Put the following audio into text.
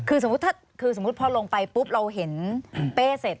คือสมมุติพอลงไปปุ๊บเราเห็นเป้เสร็จ